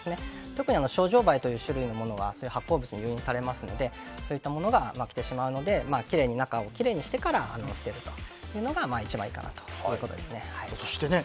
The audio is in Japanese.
特にショウジョウバエという種類のものは発酵物に誘引されてそういったものが来てしまうので中をきれいにしてから捨てるというのが一番いいかなということですね。